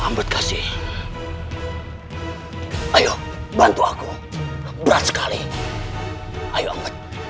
amat kasih ayo bantu aku berat sekali ayo amat